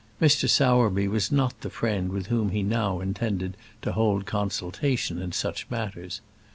Mr. Sowerby was not the friend with whom he now intended to hold consultation in such matters.